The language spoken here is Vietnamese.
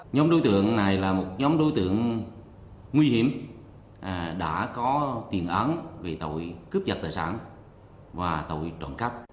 nhóm đối tượng này là một nhóm đối tượng nguy hiểm đã có tiền án về tội cướp giật tài sản và tội trộm cắp